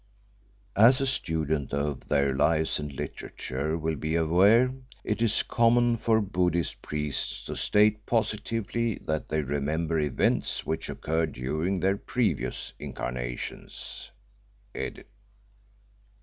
As students of their lives and literature will be aware, it is common for Buddhist priests to state positively that they remember events which occurred during their previous incarnations.